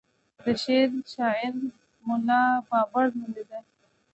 د شعر شاعر ملا بابړ نومېد.